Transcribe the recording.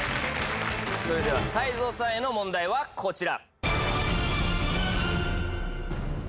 それでは泰造さんへの問題はこちら！